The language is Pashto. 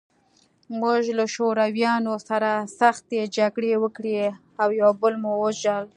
موږ له شورویانو سره سختې جګړې وکړې او یو بل مو وژل